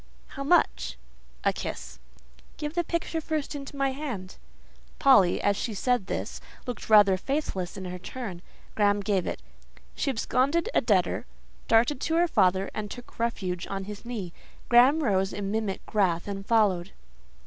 "How much?" "A kiss." "Give the picture first into my hand." Polly, as she said this, looked rather faithless in her turn. Graham gave it. She absconded a debtor, darted to her father, and took refuge on his knee. Graham rose in mimic wrath and followed.